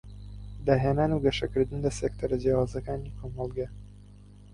داهێنان و گەشکردن لە سیکتەر جیاوازەکانی کۆمەلگا.